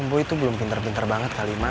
boy tuh belum pintar pintar banget kali ma